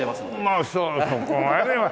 まあそうそこまでは。